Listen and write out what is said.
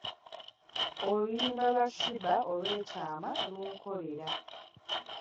Oluyimba lwa Sheebah olw’ekyama lunkolera.